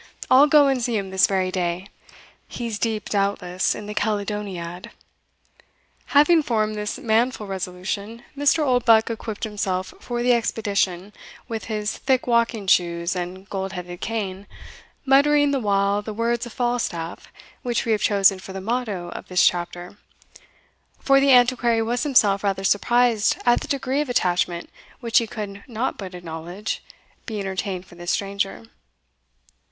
I'll go and see him this very day he's deep, doubtless, in the Caledoniad." Having formed this manful resolution, Mr. Oldbuck equipped himself for the expedition with his thick walking shoes and gold headed cane, muttering the while the words of Falstaff which we have chosen for the motto of this CHAPTER; for the Antiquary was himself rather surprised at the degree of attachment which he could not but acknowledge be entertained for this stranger.